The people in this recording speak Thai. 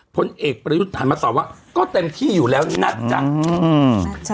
พลเอกประยุทธฐานมาตอบว่าก็เต็มที่อยู่แล้วน่ะจ้ะอืมน่ะจ้ะ